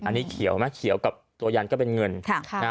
อันนี้เขียวไหมเขียวกับตัวยันก็เป็นเงิน